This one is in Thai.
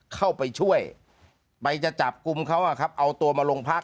เข้าไปช่วยไปจะจับกลุ่มเขาเอาตัวมาลงพัก